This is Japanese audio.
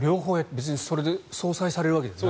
別にそれで相殺されるわけじゃない。